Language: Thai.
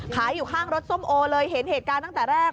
อยู่ข้างรถส้มโอเลยเห็นเหตุการณ์ตั้งแต่แรก